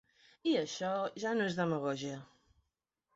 I això ja no és demagògia.